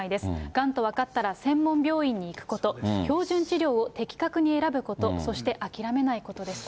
がんと分かったら専門病院に行くこと、標準治療を的確に選ぶこと、そして諦めないことですと。